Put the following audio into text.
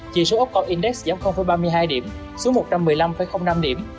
chỉ số úc công index giảm ba mươi hai điểm xuống một trăm một mươi năm năm điểm